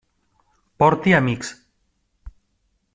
Porti amics.